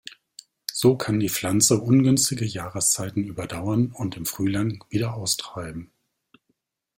So kann die Pflanze ungünstige Jahreszeiten überdauern und im Frühling wieder austreiben.